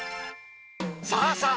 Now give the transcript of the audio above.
さあさあ